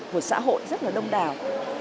của xã hội rất là đông đào